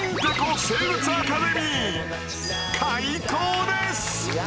開講です！